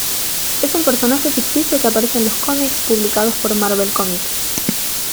Es un personaje ficticio que aparece en los cómics publicados por Marvel Comics.